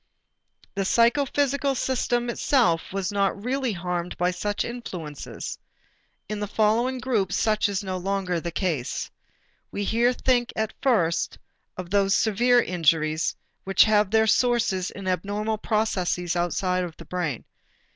The psychophysical system itself was not really harmed by such influences. In the following groups, such is no longer the case. We here think at first of those severe injuries which have their sources in abnormal processes outside of the brain.